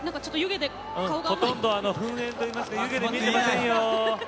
ほとんど噴煙というか湯気で見えませんよ。